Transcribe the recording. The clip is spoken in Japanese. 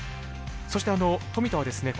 そして富田はですね